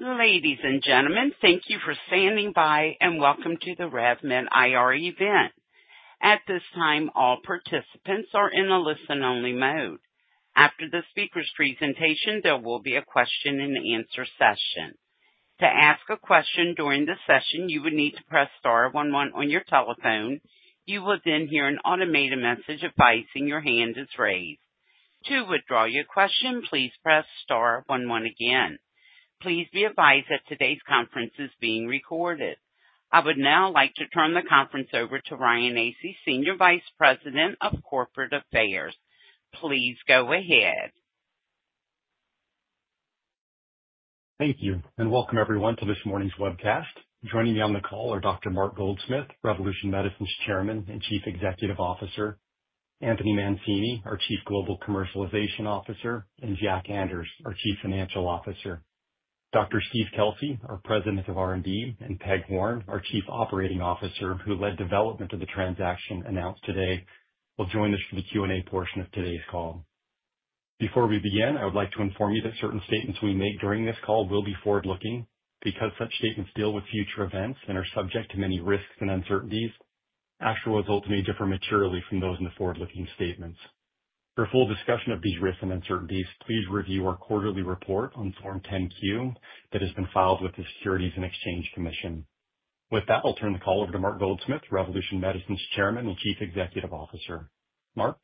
Ladies and gentlemen, thank you for standing by and welcome to the Rev Med IR event. At this time, all participants are in a listen-only mode. After the speaker's presentation, there will be a question-and-answer session. To ask a question during the session, you would need to press star one one on your telephone. You will then hear an automated message advising your hand is raised. To withdraw your question, please press star one one again. Please be advised that today's conference is being recorded. I would now like to turn the conference over to Ryan Asay, Senior Vice President of Corporate Affairs. Please go ahead. Thank you and welcome everyone to this morning's webcast. Joining me on the call are Dr. Mark Goldsmith, Revolution Medicines Chairman and Chief Executive Officer, Anthony Mancini, our Chief Global Commercialization Officer, and Jack Anders, our Chief Financial Officer. Dr. Steve Kelsey, our President of R&D, and Peg Horn, our Chief Operating Officer, who led development of the transaction announced today, will join us for the Q&A portion of today's call. Before we begin, I would like to inform you that certain statements we make during this call will be forward-looking. Because such statements deal with future events and are subject to many risks and uncertainties, actual results may differ materially from those in the forward-looking statements. For full discussion of these risks and uncertainties, please review our quarterly report on Form 10-Q that has been filed with the Securities and Exchange Commission. With that, I'll turn the call over to Mark Goldsmith, Revolution Medicines Chairman and Chief Executive Officer. Mark.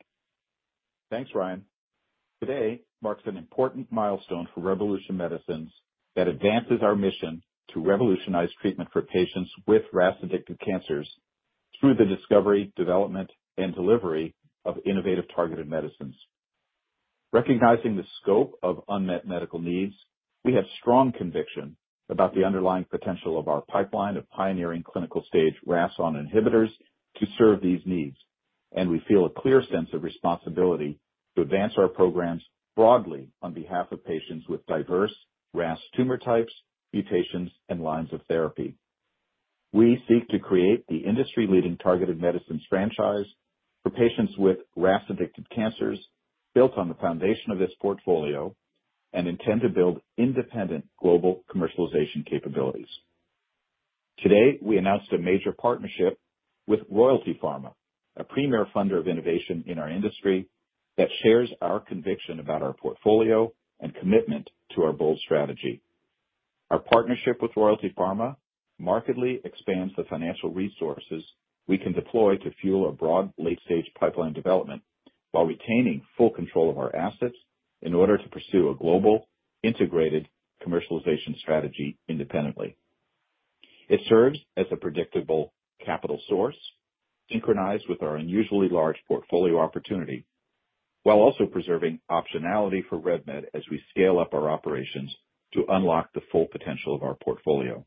Thanks, Ryan. Today marks an important milestone for Revolution Medicines that advances our mission to revolutionize treatment for patients with RAS-addicted cancers through the discovery, development, and delivery of innovative targeted medicines. Recognizing the scope of unmet medical needs, we have strong conviction about the underlying potential of our pipeline of pioneering clinical-stage RAS(ON) inhibitors to serve these needs, and we feel a clear sense of responsibility to advance our programs broadly on behalf of patients with diverse RAS tumor types, mutations, and lines of therapy. We seek to create the industry-leading targeted medicines franchise for patients with RAS-addicted cancers built on the foundation of this portfolio and intend to build independent global commercialization capabilities. Today, we announced a major partnership with Royalty Pharma, a premier funder of innovation in our industry that shares our conviction about our portfolio and commitment to our bold strategy. Our partnership with Royalty Pharma markedly expands the financial resources we can deploy to fuel a broad late-stage pipeline development while retaining full control of our assets in order to pursue a global integrated commercialization strategy independently. It serves as a predictable capital source synchronized with our unusually large portfolio opportunity while also preserving optionality for Rev Med as we scale up our operations to unlock the full potential of our portfolio.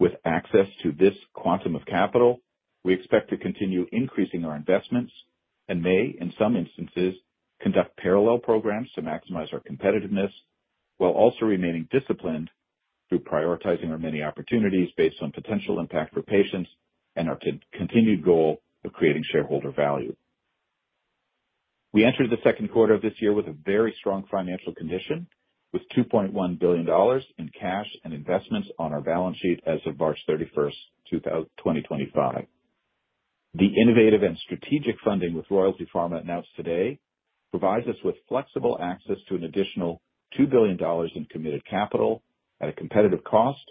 With access to this quantum of capital, we expect to continue increasing our investments and may, in some instances, conduct parallel programs to maximize our competitiveness while also remaining disciplined through prioritizing our many opportunities based on potential impact for patients and our continued goal of creating shareholder value. We entered the second quarter of this year with a very strong financial condition, with $2.1 billion in cash and investments on our balance sheet as of March 31st, 2025. The innovative and strategic funding with Royalty Pharma announced today provides us with flexible access to an additional $2 billion in committed capital at a competitive cost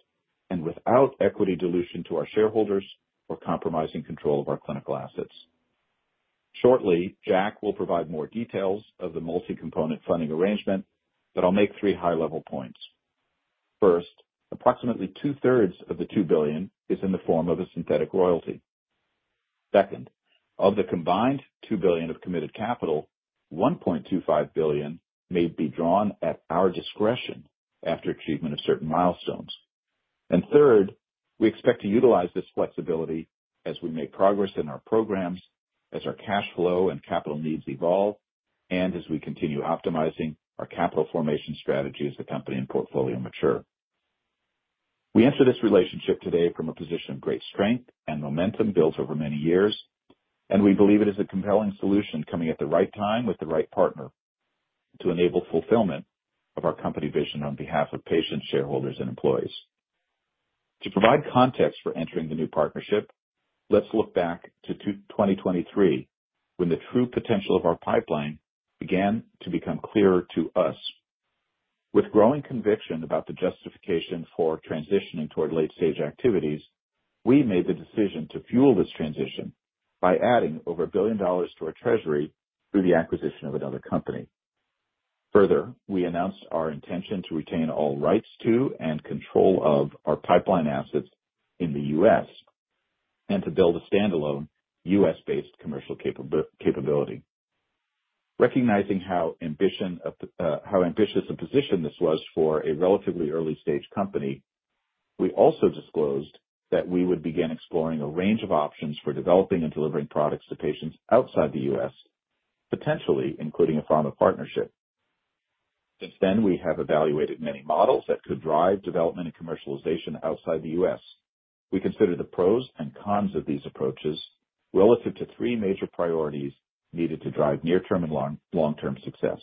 and without equity dilution to our shareholders or compromising control of our clinical assets. Shortly, Jack will provide more details of the multi-component funding arrangement, but I'll make three high-level points. First, approximately 2/3 of the $2 billion is in the form of a synthetic royalty. Second, of the combined $2 billion of committed capital, $1.25 billion may be drawn at our discretion after achievement of certain milestones. Third, we expect to utilize this flexibility as we make progress in our programs, as our cash flow and capital needs evolve, and as we continue optimizing our capital formation strategy as the company and portfolio mature. We enter this relationship today from a position of great strength and momentum built over many years, and we believe it is a compelling solution coming at the right time with the right partner to enable fulfillment of our company vision on behalf of patients, shareholders, and employees. To provide context for entering the new partnership, let's look back to 2023 when the true potential of our pipeline began to become clearer to us. With growing conviction about the justification for transitioning toward late-stage activities, we made the decision to fuel this transition by adding over $1 billion to our treasury through the acquisition of another company. Further, we announced our intention to retain all rights to and control of our pipeline assets in the U.S. and to build a standalone U.S.-based commercial capability. Recognizing how ambitious a position this was for a relatively early-stage company, we also disclosed that we would begin exploring a range of options for developing and delivering products to patients outside the U.S., potentially including a pharma partnership. Since then, we have evaluated many models that could drive development and commercialization outside the U.S. We considered the pros and cons of these approaches relative to three major priorities needed to drive near-term and long-term success.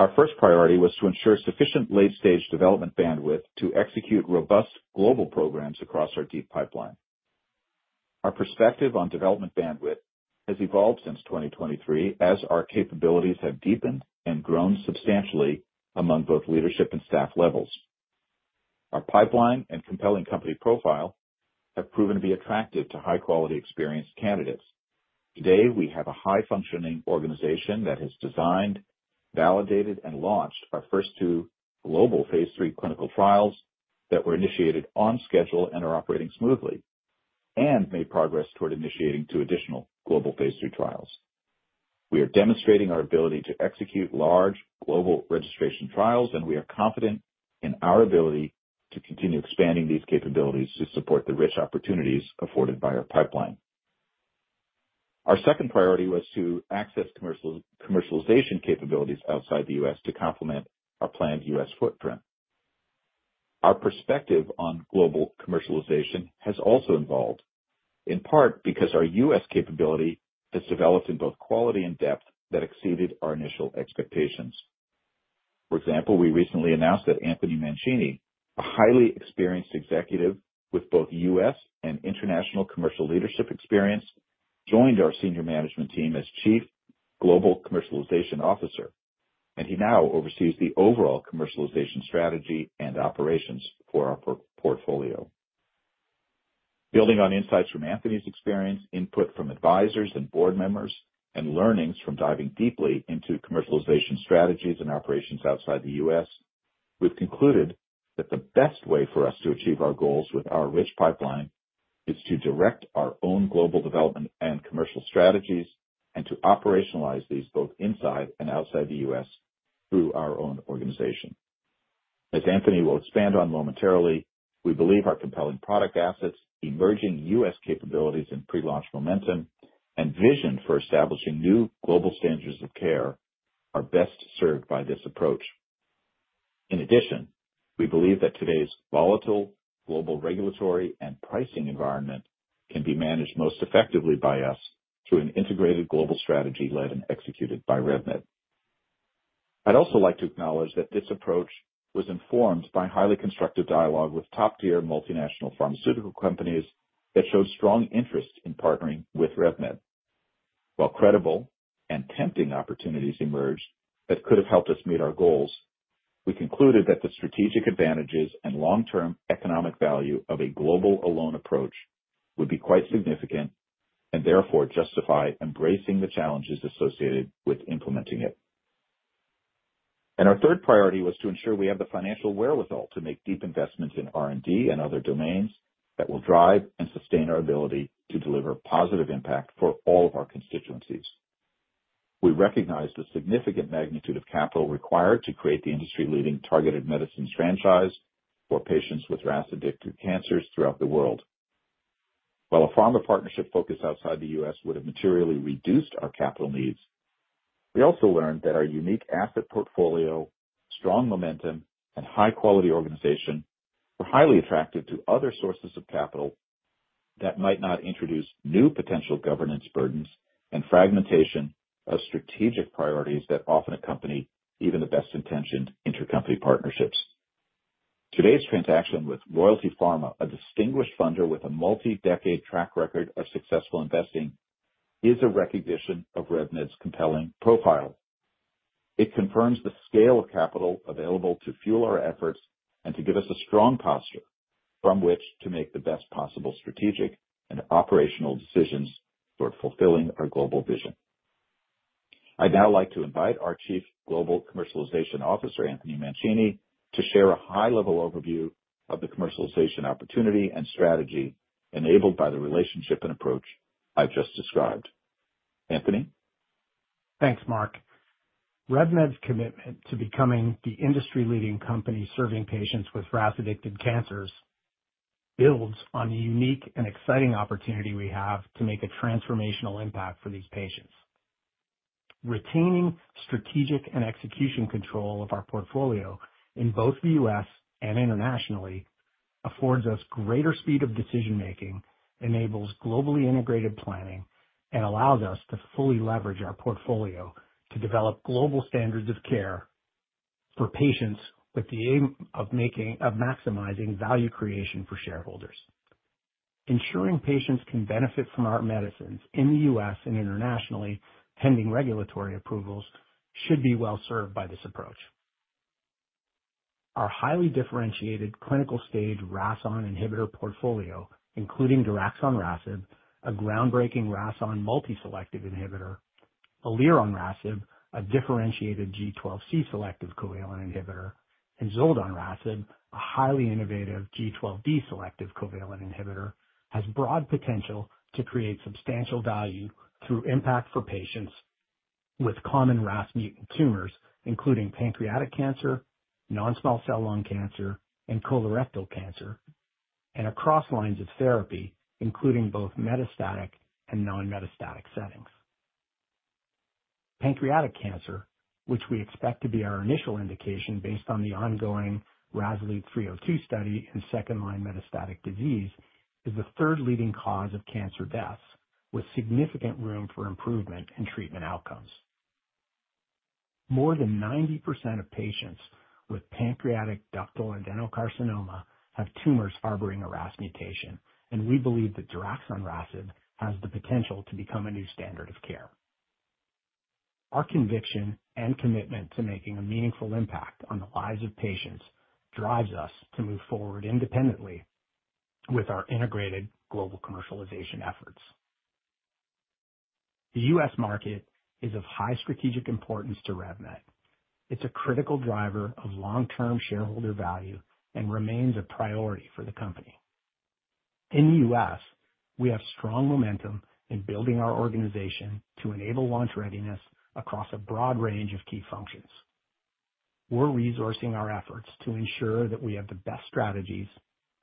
Our first priority was to ensure sufficient late-stage development bandwidth to execute robust global programs across our deep pipeline. Our perspective on development bandwidth has evolved since 2023 as our capabilities have deepened and grown substantially among both leadership and staff levels. Our pipeline and compelling company profile have proven to be attractive to high-quality experienced candidates. Today, we have a high-functioning organization that has designed, validated, and launched our first two global phase III clinical trials that were initiated on schedule and are operating smoothly and made progress toward initiating two additional global phase III trials. We are demonstrating our ability to execute large global registration trials, and we are confident in our ability to continue expanding these capabilities to support the rich opportunities afforded by our pipeline. Our second priority was to access commercialization capabilities outside the U.S. to complement our planned U.S. footprint. Our perspective on global commercialization has also evolved, in part because our U.S. capability has developed in both quality and depth that exceeded our initial expectations. For example, we recently announced that Anthony Mancini, a highly experienced executive with both U.S. and international commercial leadership experience, joined our senior management team as Chief Global Commercialization Officer, and he now oversees the overall commercialization strategy and operations for our portfolio. Building on insights from Anthony's experience, input from advisors and board members, and learnings from diving deeply into commercialization strategies and operations outside the U.S., we've concluded that the best way for us to achieve our goals with our rich pipeline is to direct our own global development and commercial strategies and to operationalize these both inside and outside the U.S. through our own organization. As Anthony will expand on momentarily, we believe our compelling product assets, emerging U.S. capabilities and pre-launch momentum, and vision for establishing new global standards of care are best served by this approach. In addition, we believe that today's volatile global regulatory and pricing environment can be managed most effectively by us through an integrated global strategy led and executed by Rev Med. I'd also like to acknowledge that this approach was informed by highly constructive dialogue with top-tier multinational pharmaceutical companies that showed strong interest in partnering with Rev Med. While credible and tempting opportunities emerged that could have helped us meet our goals, we concluded that the strategic advantages and long-term economic value of a global-alone approach would be quite significant and therefore justify embracing the challenges associated with implementing it. Our third priority was to ensure we have the financial wherewithal to make deep investments in R&D and other domains that will drive and sustain our ability to deliver positive impact for all of our constituencies. We recognized the significant magnitude of capital required to create the industry-leading targeted medicines franchise for patients with RAS-addicted cancers throughout the world. While a pharma partnership focused outside the U.S. would have materially reduced our capital needs, we also learned that our unique asset portfolio, strong momentum, and high-quality organization were highly attractive to other sources of capital that might not introduce new potential governance burdens and fragmentation of strategic priorities that often accompany even the best-intentioned intercompany partnerships. Today's transaction with Royalty Pharma, a distinguished funder with a multi-decade track record of successful investing, is a recognition of Rev Med's compelling profile. It confirms the scale of capital available to fuel our efforts and to give us a strong posture from which to make the best possible strategic and operational decisions toward fulfilling our global vision. I'd now like to invite our Chief Global Commercialization Officer, Anthony Mancini, to share a high-level overview of the commercialization opportunity and strategy enabled by the relationship and approach I've just described. Anthony. Thanks, Mark. Rev Med's commitment to becoming the industry-leading company serving patients with RAS-addicted cancers builds on the unique and exciting opportunity we have to make a transformational impact for these patients. Retaining strategic and execution control of our portfolio in both the U.S. and internationally affords us greater speed of decision-making, enables globally integrated planning, and allows us to fully leverage our portfolio to develop global standards of care for patients with the aim of maximizing value creation for shareholders. Ensuring patients can benefit from our medicines in the U.S. and internationally pending regulatory approvals should be well served by this approach. Our highly differentiated clinical-stage RAS(ON) inhibitor portfolio, including Diraxonrasib, a groundbreaking RAS(ON) multi-selective inhibitor; Elironrasib, a differentiated G12C selective covalent inhibitor; and Zoldonrasib, a highly innovative G12D selective covalent inhibitor, has broad potential to create substantial value through impact for patients with common RAS mutant tumors, including pancreatic cancer, non-small cell lung cancer, and colorectal cancer, and across lines of therapy, including both metastatic and non-metastatic settings. Pancreatic cancer, which we expect to be our initial indication based on the ongoing RASolute 302 study in second-line metastatic disease, is the third leading cause of cancer deaths, with significant room for improvement in treatment outcomes. More than 90% of patients with pancreatic ductal adenocarcinoma have tumors harboring a RAS mutation, and we believe that Diraxonrasib has the potential to become a new standard of care. Our conviction and commitment to making a meaningful impact on the lives of patients drives us to move forward independently with our integrated global commercialization efforts. The U.S. market is of high strategic importance to Rev Med. It's a critical driver of long-term shareholder value and remains a priority for the company. In the U.S., we have strong momentum in building our organization to enable launch readiness across a broad range of key functions. We're resourcing our efforts to ensure that we have the best strategies,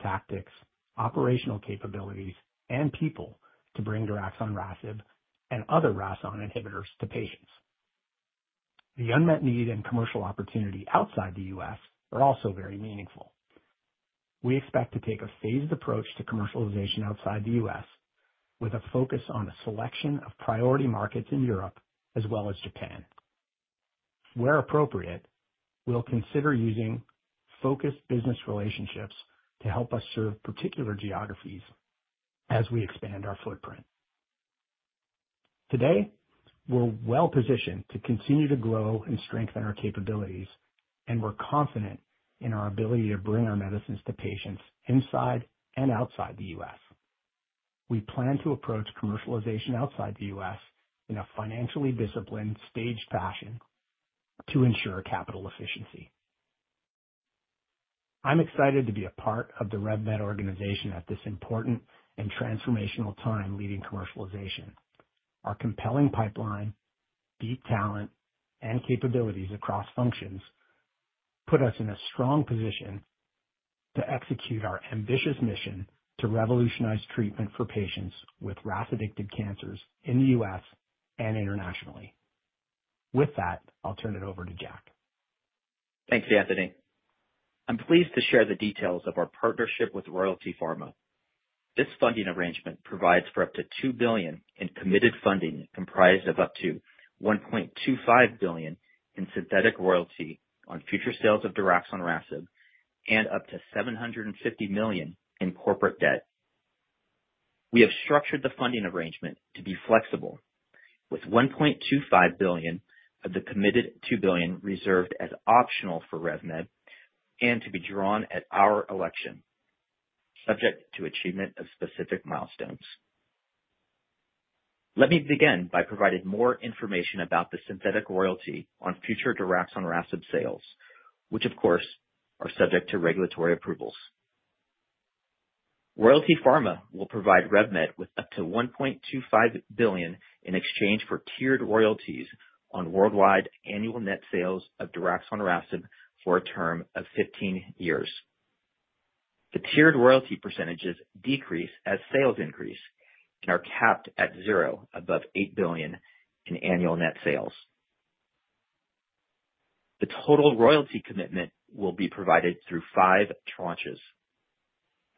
tactics, operational capabilities, and people to bring Diraxonrasib and other RAS(ON) inhibitors to patients. The unmet need and commercial opportunity outside the U.S. are also very meaningful. We expect to take a phased approach to commercialization outside the U.S., with a focus on a selection of priority markets in Europe as well as Japan. Where appropriate, we'll consider using focused business relationships to help us serve particular geographies as we expand our footprint. Today, we're well positioned to continue to grow and strengthen our capabilities, and we're confident in our ability to bring our medicines to patients inside and outside the U.S. We plan to approach commercialization outside the U.S. in a financially disciplined staged fashion to ensure capital efficiency. I'm excited to be a part of the Rev Med organization at this important and transformational time leading commercialization. Our compelling pipeline, deep talent, and capabilities across functions put us in a strong position to execute our ambitious mission to revolutionize treatment for patients with RAS-addicted cancers in the U.S. and internationally. With that, I'll turn it over to Jack. Thanks, Anthony. I'm pleased to share the details of our partnership with Royalty Pharma. This funding arrangement provides for up to $2 billion in committed funding comprised of up to $1.25 billion in synthetic royalty on future sales of Diraxonrasib and up to $750 million in corporate debt. We have structured the funding arrangement to be flexible, with $1.25 billion of the committed $2 billion reserved as optional for Rev Med and to be drawn at our election, subject to achievement of specific milestones. Let me begin by providing more information about the synthetic royalty on future Diraxonrasib sales, which, of course, are subject to regulatory approvals. Royalty Pharma will provide Rev Med with up to $1.25 billion in exchange for tiered royalties on worldwide annual net sales of Diraxonrasib for a term of 15 years. The tiered royalty percentages decrease as sales increase and are capped at zero above $8 billion in annual net sales. The total royalty commitment will be provided through five tranches.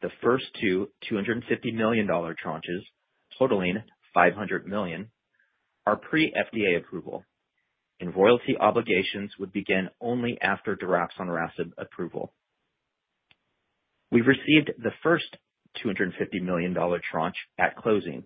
The first two $250 million tranches, totaling $500 million, are pre-FDA approval, and royalty obligations would begin only after Diraxonrasib approval. We've received the first $250 million tranche at closing,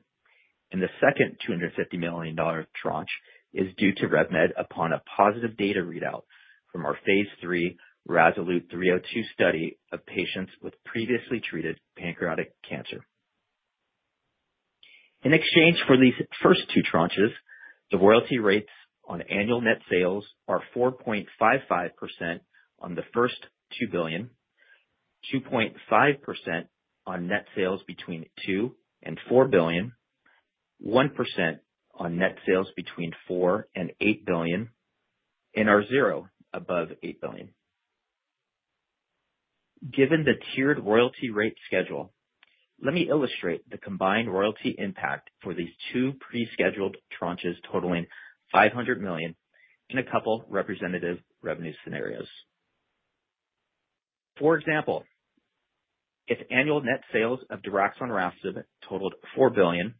and the second $250 million tranche is due to Rev Med upon a positive data readout from our phase III RASolute 302 study of patients with previously treated pancreatic cancer. In exchange for these first two tranches, the royalty rates on annual net sales are 4.55% on the first $2 billion, 2.5% on net sales between $2 billion and $4 billion, 1% on net sales between $4 billion and $8 billion, and are zero above $8 billion. Given the tiered royalty rate schedule, let me illustrate the combined royalty impact for these two prescheduled tranches totaling $500 million in a couple of representative revenue scenarios. For example, if annual net sales of Diraxonrasib totaled $4 billion,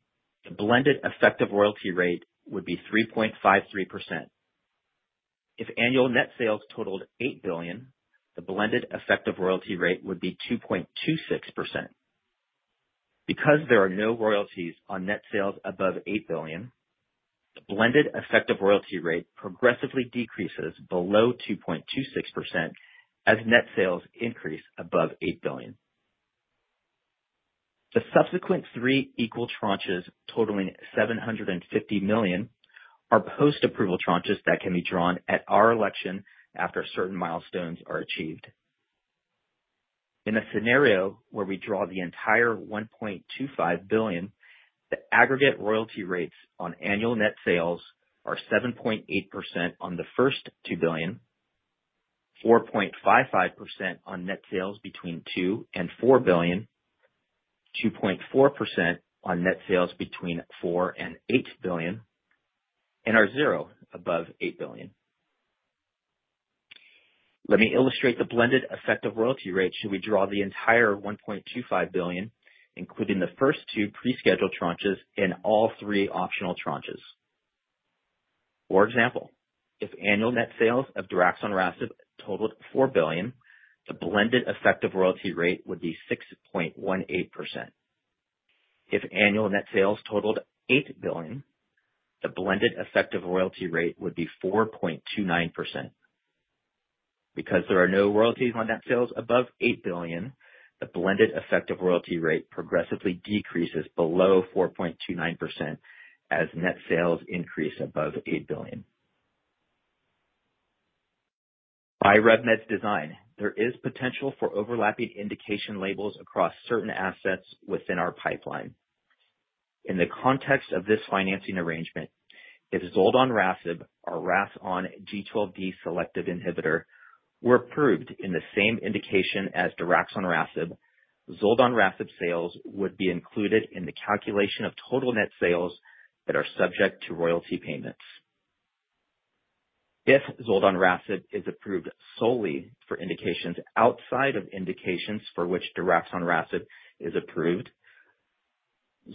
the blended effective royalty rate would be 3.53%. If annual net sales totaled $8 billion, the blended effective royalty rate would be 2.26%. Because there are no royalties on net sales above $8 billion, the blended effective royalty rate progressively decreases below 2.26% as net sales increase above $8 billion. The subsequent three equal tranches totaling $750 million are post-approval tranches that can be drawn at our election after certain milestones are achieved. In a scenario where we draw the entire $1.25 billion, the aggregate royalty rates on annual net sales are 7.8% on the first $2 billion, 4.55% on net sales between $2 billion and $4 billion, 2.4% on net sales between $4 billion and $8 billion, and are zero above $8 billion. Let me illustrate the blended effective royalty rate should we draw the entire $1.25 billion, including the first two prescheduled tranches and all three optional tranches. For example, if annual net sales of Diraxonrasib totaled $4 billion, the blended effective royalty rate would be 6.18%. If annual net sales totaled $8 billion, the blended effective royalty rate would be 4.29%. Because there are no royalties on net sales above $8 billion, the blended effective royalty rate progressively decreases below 4.29% as net sales increase above $8 billion. By Rev Med's design, there is potential for overlapping indication labels across certain assets within our pipeline. In the context of this financing arrangement, if Zoldonrasib, our RAS(ON) G12D selective inhibitor, were approved in the same indication as Diraxonrasib, Zoldonrasib sales would be included in the calculation of total net sales that are subject to royalty payments. If Zoldonrasib is approved solely for indications outside of indications for which Diraxonrasib is approved,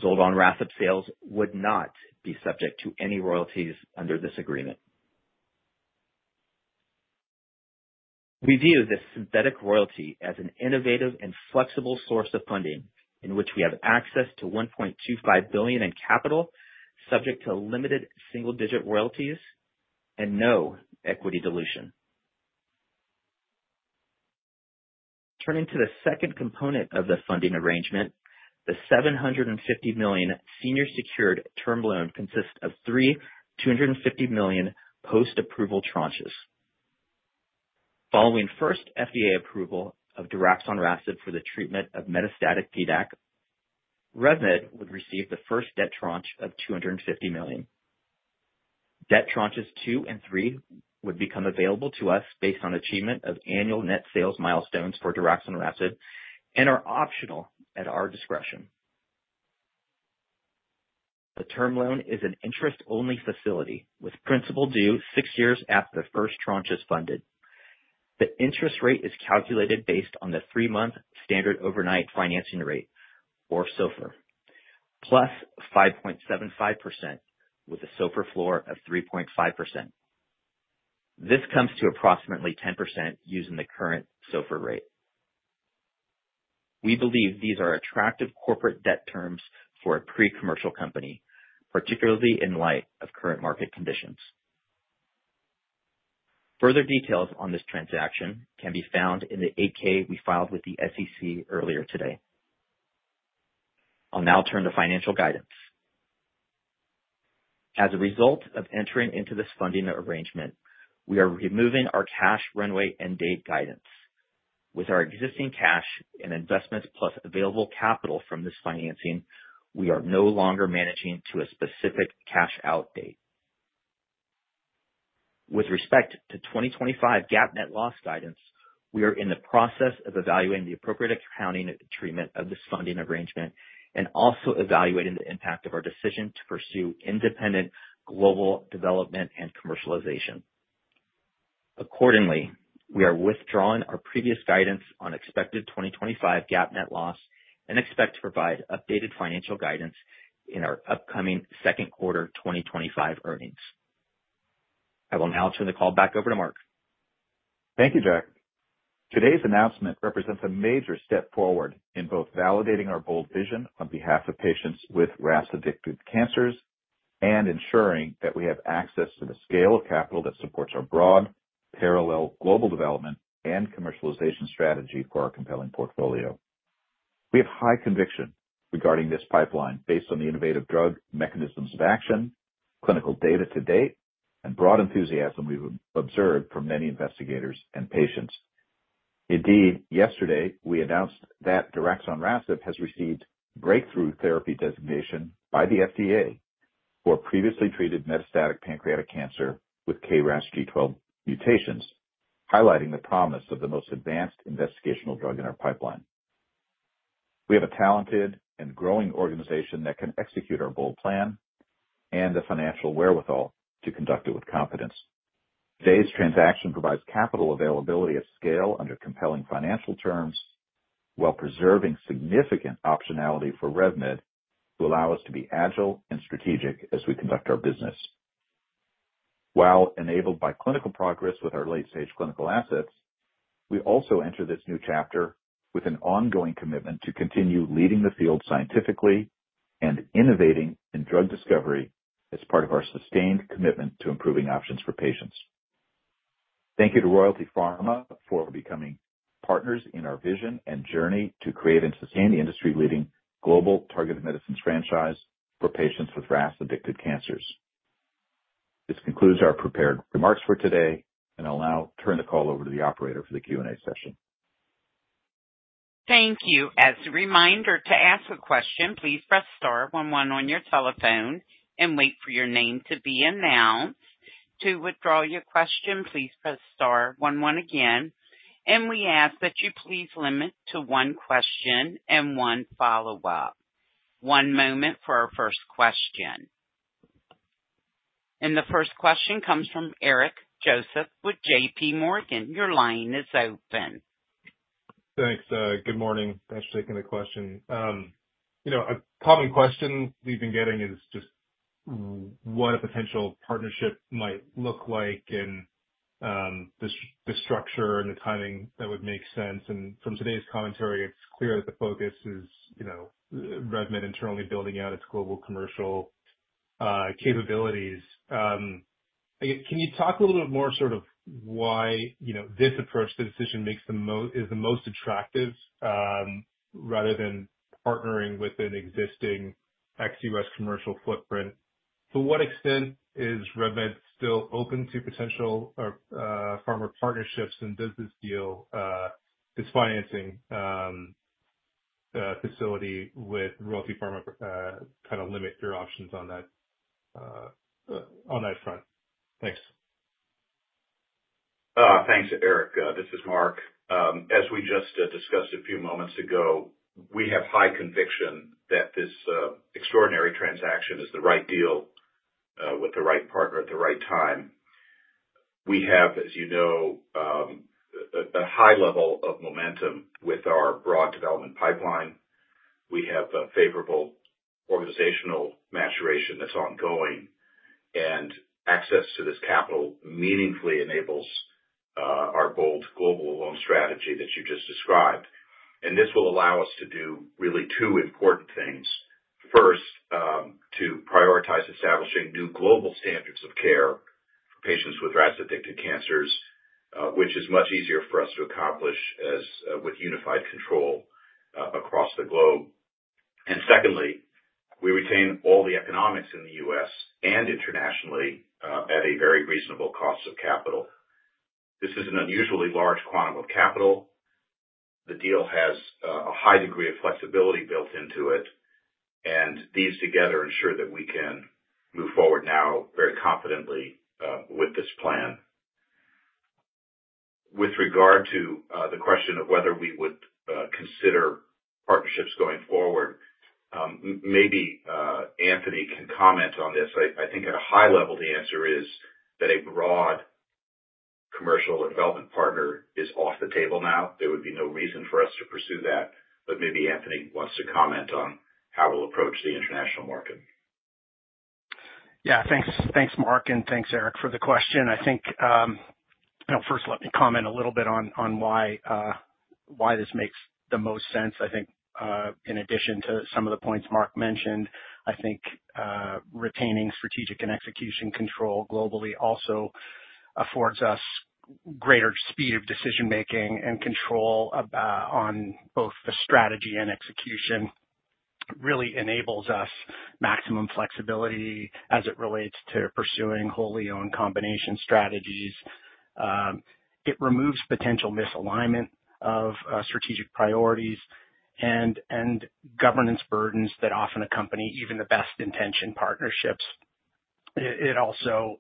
Zoldonrasib sales would not be subject to any royalties under this agreement. We view this synthetic royalty as an innovative and flexible source of funding in which we have access to $1.25 billion in capital, subject to limited single-digit royalties and no equity dilution. Turning to the second component of the funding arrangement, the $750 million senior-secured term loan consists of three $250 million post-approval tranches. Following first FDA approval of Diraxonrasib for the treatment of metastatic PDAC, Rev Med would receive the first debt tranche of $250 million. Debt tranches two and three would become available to us based on achievement of annual net sales milestones for Diraxonrasib and are optional at our discretion. The term loan is an interest-only facility with principal due six years after the first tranche is funded. The interest rate is calculated based on the three-month standard overnight financing rate, or SOFR, plus 5.75% with a SOFR floor of 3.5%. This comes to approximately 10% using the current SOFR rate. We believe these are attractive corporate debt terms for a pre-commercial company, particularly in light of current market conditions. Further details on this transaction can be found in the 8-K we filed with the SEC earlier today. I'll now turn to financial guidance. As a result of entering into this funding arrangement, we are removing our cash runway and date guidance. With our existing cash and investments plus available capital from this financing, we are no longer managing to a specific cash-out date. With respect to 2025 GAAP net loss guidance, we are in the process of evaluating the appropriate accounting treatment of this funding arrangement and also evaluating the impact of our decision to pursue independent global development and commercialization. Accordingly, we are withdrawing our previous guidance on expected 2025 GAAP net loss and expect to provide updated financial guidance in our upcoming second quarter 2025 earnings. I will now turn the call back over to Mark. Thank you, Jack. Today's announcement represents a major step forward in both validating our bold vision on behalf of patients with RAS-affected cancers and ensuring that we have access to the scale of capital that supports our broad, parallel global development and commercialization strategy for our compelling portfolio. We have high conviction regarding this pipeline based on the innovative drug mechanisms of action, clinical data to date, and broad enthusiasm we've observed from many investigators and patients. Indeed, yesterday, we announced that Diraxonrasib has received breakthrough therapy designation by the FDA for previously treated metastatic pancreatic cancer with KRAS G12 mutations, highlighting the promise of the most advanced investigational drug in our pipeline. We have a talented and growing organization that can execute our bold plan and the financial wherewithal to conduct it with confidence. Today's transaction provides capital availability at scale under compelling financial terms, while preserving significant optionality for Rev Med to allow us to be agile and strategic as we conduct our business. While enabled by clinical progress with our late-stage clinical assets, we also enter this new chapter with an ongoing commitment to continue leading the field scientifically and innovating in drug discovery as part of our sustained commitment to improving options for patients. Thank you to Royalty Pharma for becoming partners in our vision and journey to create and sustain the industry-leading global targeted medicines franchise for patients with RAS-affected cancers. This concludes our prepared remarks for today, and I'll now turn the call over to the operator for the Q&A session. Thank you. As a reminder to ask a question, please press star one one on your telephone and wait for your name to be announced. To withdraw your question, please press star one one again. We ask that you please limit to one question and one follow-up. One moment for our first question. The first question comes from Eric Joseph with JPMorgan. Your line is open. Thanks. Good morning. Thanks for taking the question. A common question we've been getting is just what a potential partnership might look like and the structure and the timing that would make sense. From today's commentary, it's clear that the focus is Rev Med internally building out its global commercial capabilities. Can you talk a little bit more sort of why this approach, the decision, is the most attractive rather than partnering with an existing ex-U.S. commercial footprint? To what extent is Rev Med still open to potential pharma partnerships and does this deal, this financing facility with Royalty Pharma, kind of limit your options on that front? Thanks. Thanks, Eric. This is Mark. As we just discussed a few moments ago, we have high conviction that this extraordinary transaction is the right deal with the right partner at the right time. We have, as you know, a high level of momentum with our broad development pipeline. We have a favorable organizational maturation that's ongoing, and access to this capital meaningfully enables our bold global loan strategy that you just described. This will allow us to do really two important things. First, to prioritize establishing new global standards of care for patients with RAS-affected cancers, which is much easier for us to accomplish with unified control across the globe. Secondly, we retain all the economics in the U.S. and internationally at a very reasonable cost of capital. This is an unusually large quantum of capital. The deal has a high degree of flexibility built into it, and these together ensure that we can move forward now very confidently with this plan. With regard to the question of whether we would consider partnerships going forward, maybe Anthony can comment on this. I think at a high level, the answer is that a broad commercial development partner is off the table now. There would be no reason for us to pursue that, but maybe Anthony wants to comment on how we'll approach the international market. Yeah. Thanks, Mark, and thanks, Eric, for the question. I think first, let me comment a little bit on why this makes the most sense. I think in addition to some of the points Mark mentioned, I think retaining strategic and execution control globally also affords us greater speed of decision-making and control on both the strategy and execution. It really enables us maximum flexibility as it relates to pursuing wholly-owned combination strategies. It removes potential misalignment of strategic priorities and governance burdens that often accompany even the best-intention partnerships. It also,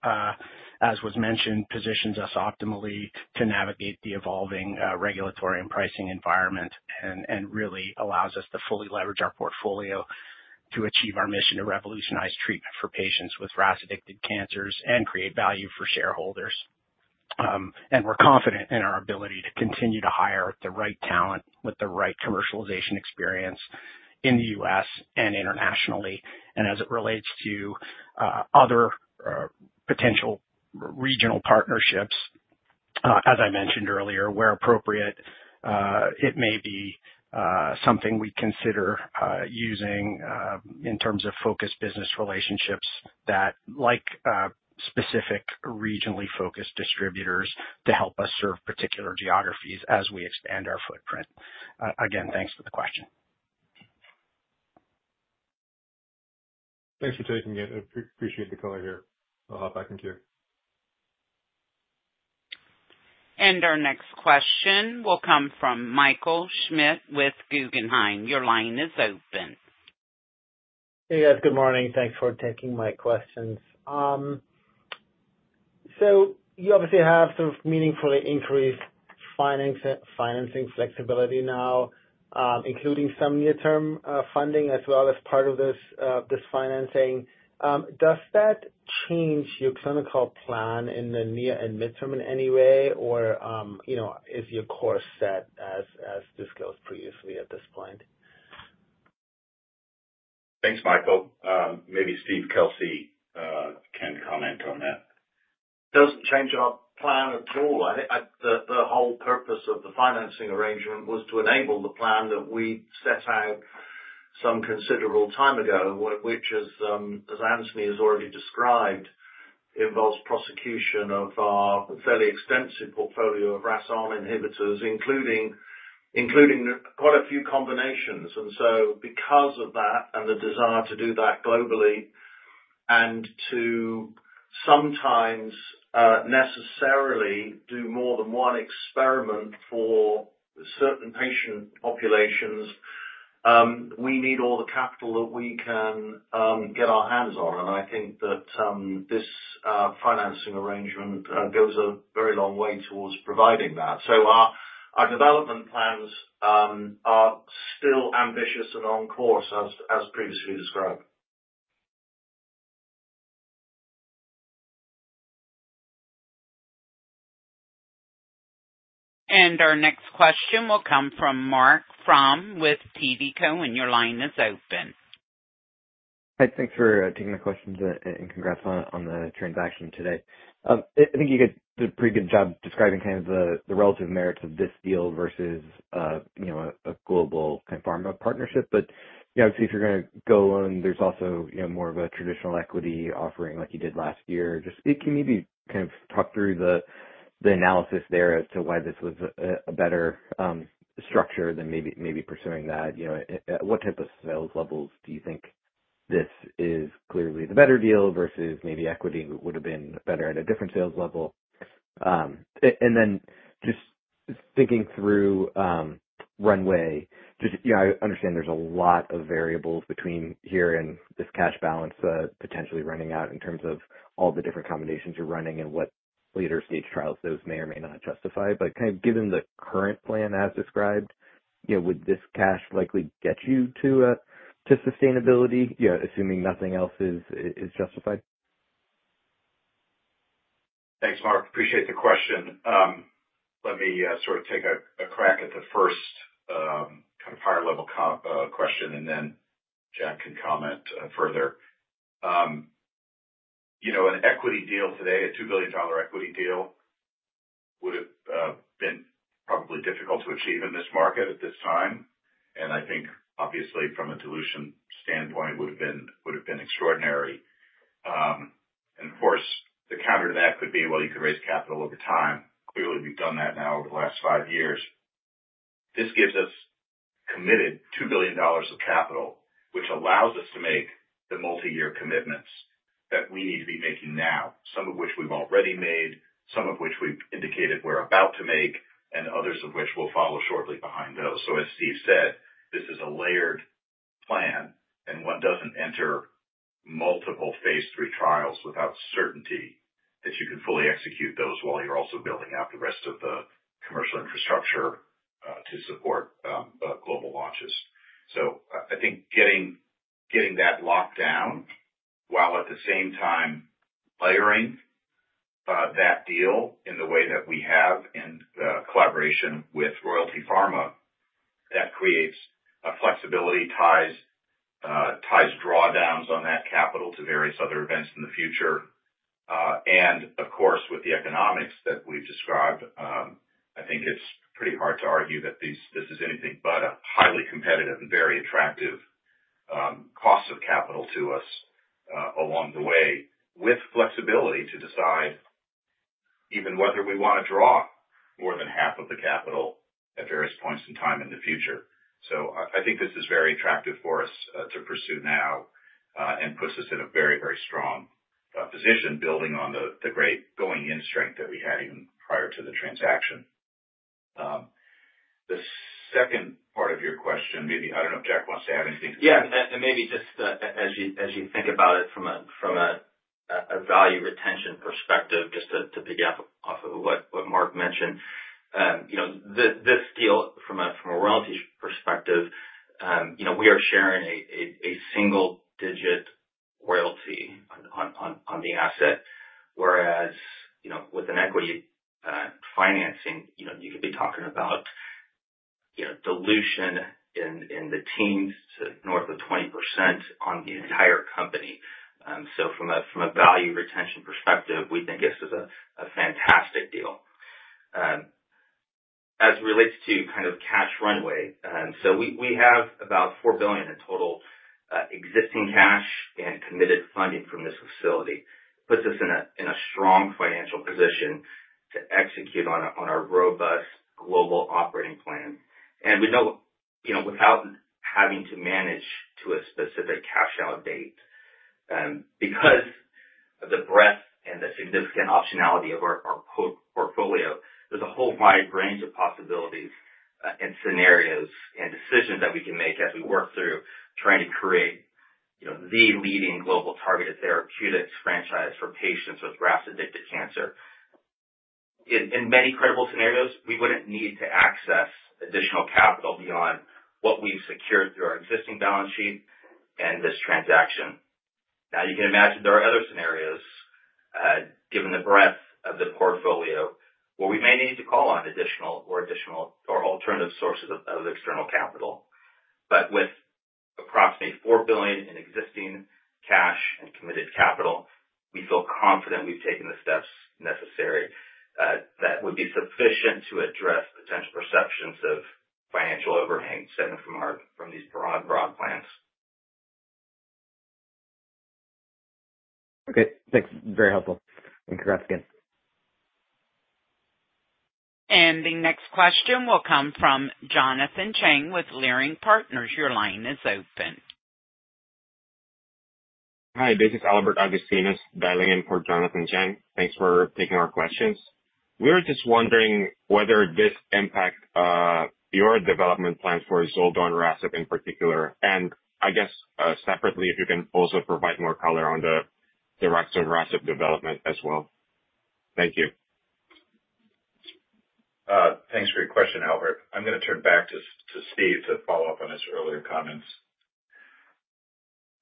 as was mentioned, positions us optimally to navigate the evolving regulatory and pricing environment and really allows us to fully leverage our portfolio to achieve our mission to revolutionize treatment for patients with RAS-affected cancers and create value for shareholders. We are confident in our ability to continue to hire the right talent with the right commercialization experience in the U.S. and internationally. As it relates to other potential regional partnerships, as I mentioned earlier, where appropriate, it may be something we consider using in terms of focused business relationships that, like specific regionally focused distributors, help us serve particular geographies as we expand our footprint. Again, thanks for the question. Thanks for taking it. I appreciate the call here. I'll hop back in here. Our next question will come from Michael Schmidt with Guggenheim. Your line is open. Hey, guys. Good morning. Thanks for taking my questions. You obviously have sort of meaningfully increased financing flexibility now, including some near-term funding as well as part of this financing. Does that change your clinical plan in the near and midterm in any way, or is your course set as discussed previously at this point? Thanks, Michael. Maybe Steve Kelsey can comment on that. Doesn't change our plan at all. The whole purpose of the financing arrangement was to enable the plan that we set out some considerable time ago, which, as Anthony has already described, involves prosecution of a fairly extensive portfolio of RAS(ON) inhibitors, including quite a few combinations. Because of that and the desire to do that globally and to sometimes necessarily do more than one experiment for certain patient populations, we need all the capital that we can get our hands on. I think that this financing arrangement goes a very long way towards providing that. Our development plans are still ambitious and on course, as previously described. Our next question will come from Mark Fromm with TD Cowen, and your line is open. Hi. Thanks for taking the question and congrats on the transaction today. I think you did a pretty good job describing kind of the relative merits of this deal versus a global kind of pharma partnership. Obviously, if you're going to go on, there's also more of a traditional equity offering like you did last year. Just can you maybe kind of talk through the analysis there as to why this was a better structure than maybe pursuing that? What type of sales levels do you think this is clearly the better deal versus maybe equity would have been better at a different sales level? Just thinking through runway, I understand there's a lot of variables between here and this cash balance potentially running out in terms of all the different combinations you're running and what later stage trials those may or may not justify. Given the current plan as described, would this cash likely get you to sustainability, assuming nothing else is justified? Thanks, Mark. Appreciate the question. Let me sort of take a crack at the first kind of higher-level question, and then Jack can comment further. An equity deal today, a $2 billion equity deal, would have been probably difficult to achieve in this market at this time. I think, obviously, from a dilution standpoint, it would have been extraordinary. Of course, the counter to that could be, well, you could raise capital over time. Clearly, we've done that now over the last five years. This gives us committed $2 billion of capital, which allows us to make the multi-year commitments that we need to be making now, some of which we've already made, some of which we've indicated we're about to make, and others of which will follow shortly behind those. As Steve said, this is a layered plan, and one does not enter multiple phase III trials without certainty that you can fully execute those while you are also building out the rest of the commercial infrastructure to support global launches. I think getting that locked down while at the same time layering that deal in the way that we have in collaboration with Royalty Pharma, that creates a flexibility, ties drawdowns on that capital to various other events in the future. Of course, with the economics that we have described, I think it is pretty hard to argue that this is anything but a highly competitive and very attractive cost of capital to us along the way, with flexibility to decide even whether we want to draw more than half of the capital at various points in time in the future. I think this is very attractive for us to pursue now and puts us in a very, very strong position, building on the great going-in strength that we had even prior to the transaction. The second part of your question, maybe I don't know if Jack wants to add anything. Yeah. And maybe just as you think about it from a value retention perspective, just to pick up off of what Mark mentioned, this deal from a royalty perspective, we are sharing a single-digit royalty on the asset, whereas with an equity financing, you could be talking about dilution in the teens to north of 20% on the entire company. From a value retention perspective, we think this is a fantastic deal. As it relates to kind of cash runway, we have about $4 billion in total existing cash and committed funding from this facility. It puts us in a strong financial position to execute on our robust global operating plan. We know without having to manage to a specific cash-out date, because of the breadth and the significant optionality of our portfolio, there's a whole wide range of possibilities and scenarios and decisions that we can make as we work through trying to create the leading global targeted therapeutics franchise for patients with RAS-affected cancer. In many credible scenarios, we wouldn't need to access additional capital beyond what we've secured through our existing balance sheet and this transaction. You can imagine there are other scenarios, given the breadth of the portfolio, where we may need to call on additional or alternative sources of external capital. With approximately $4 billion in existing cash and committed capital, we feel confident we've taken the steps necessary that would be sufficient to address potential perceptions of financial overhang stemming from these broad plans. Okay. Thanks. Very helpful. Congrats again. The next question will come from Jonathan Chang with Leerink Partners. Your line is open. Hi. This is Albert Agustinez dialing in for Jonathan Chang. Thanks for taking our questions. We were just wondering whether this impacts your development plan for Zoldonrasib in particular, and I guess separately, if you can also provide more color on the Diraxonrasib development as well. Thank you. Thanks for your question, Albert. I'm going to turn back to Steve to follow up on his earlier comments.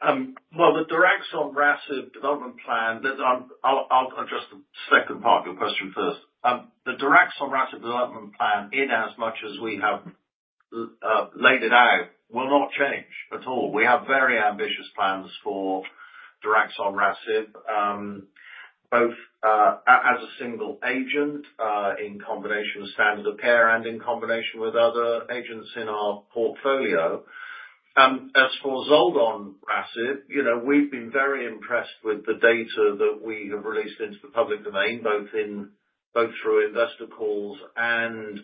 The Diraxonrasib development plan, I'll address the second part of your question first. The Diraxonrasib development plan, in as much as we have laid it out, will not change at all. We have very ambitious plans for Diraxonrasib, both as a single agent in combination with standard of care and in combination with other agents in our portfolio. As for Zoldonrasib, we've been very impressed with the data that we have released into the public domain, both through investor calls and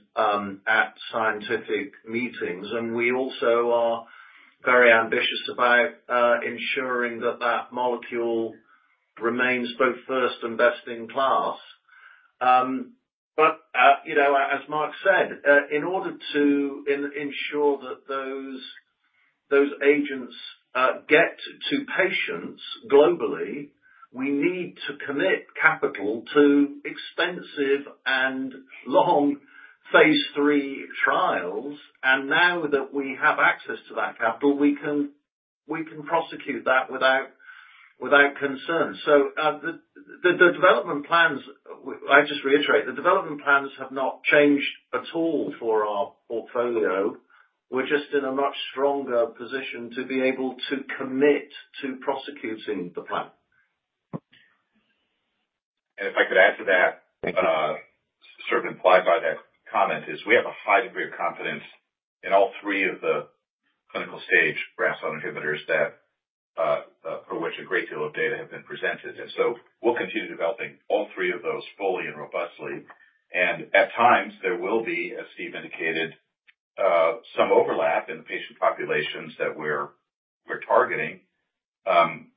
at scientific meetings. We also are very ambitious about ensuring that that molecule remains both first and best in class. As Mark said, in order to ensure that those agents get to patients globally, we need to commit capital to expensive and long phase III trials. Now that we have access to that capital, we can prosecute that without concern. The development plans, I just reiterate, the development plans have not changed at all for our portfolio. We're just in a much stronger position to be able to commit to prosecuting the plan. If I could add to that, sort of implied by that comment is we have a high degree of confidence in all three of the clinical stage RAS(ON) inhibitors for which a great deal of data have been presented. We will continue developing all three of those fully and robustly. At times, there will be, as Steve indicated, some overlap in the patient populations that we're targeting.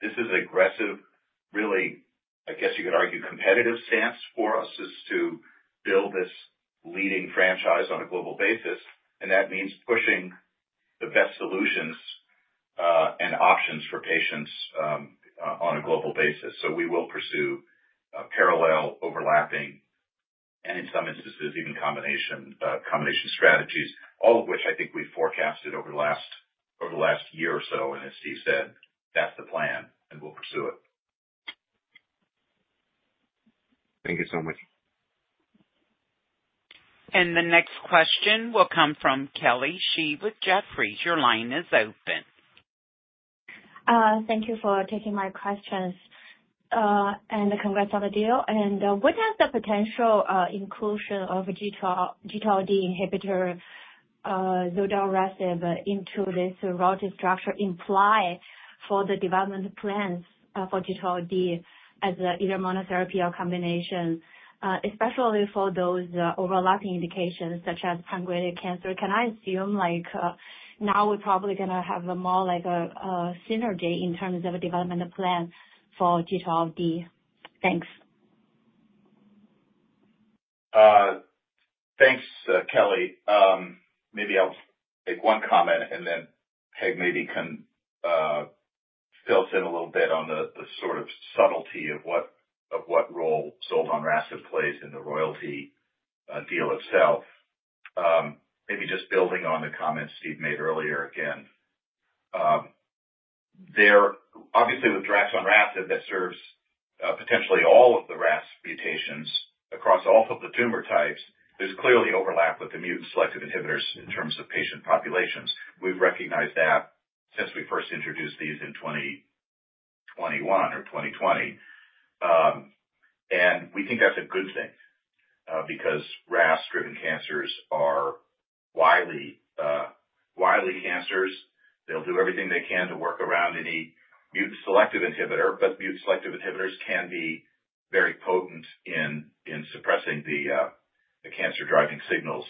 This is aggressive, really, I guess you could argue, a competitive stance for us to build this leading franchise on a global basis. That means pushing the best solutions and options for patients on a global basis. We will pursue parallel, overlapping, and, in some instances, even combination strategies, all of which I think we've forecasted over the last year or so. As Steve said, that's the plan, and we'll pursue it. Thank you so much. The next question will come from Kelly Scheeb with Jefferies. Your line is open. Thank you for taking my questions. Congrats on the deal. What does the potential inclusion of G12D inhibitor Zoldonrasib into this royalty structure imply for the development plans for G12D as either monotherapy or combination, especially for those overlapping indications such as pancreatic cancer? Can I assume now we're probably going to have more like a synergy in terms of a development plan for G12D? Thanks. Thanks, Kelly. Maybe I'll take one comment, and then Peg maybe can fill in a little bit on the sort of subtlety of what role Zoldonrasib plays in the royalty deal itself. Maybe just building on the comments Steve made earlier again. Obviously, with Diraxonrasib, that serves potentially all of the RAS mutations across all of the tumor types. There's clearly overlap with the mutant-selective inhibitors in terms of patient populations. We've recognized that since we first introduced these in 2021 or 2020. We think that's a good thing because RAS-driven cancers are wily cancers. They'll do everything they can to work around any mutant-selective inhibitor, but mutant-selective inhibitors can be very potent in suppressing the cancer-driving signals.